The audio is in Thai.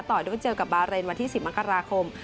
ต่อด้วยเจอกับบาเรนวันที่๑๐มกราคม